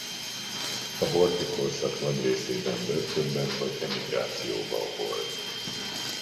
A Horthy-korszak nagy részében börtönben vagy emigrációban volt.